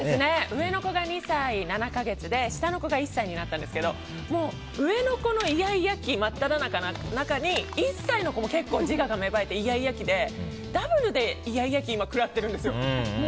上の子が２歳７か月で下の子が１歳になったんですけどもう上の子のイヤイヤ期真っただ中で１歳の子も結構、自我が芽生えてイヤイヤ期でダブルでイヤイヤ期を食らっているんですよ。